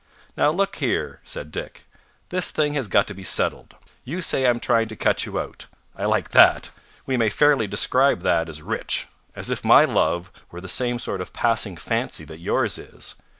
"Now, look here," said Dick, "this thing has got to be settled. You say I'm trying to cut you out. I like that! We may fairly describe that as rich. As if my love were the same sort of passing fancy that yours is.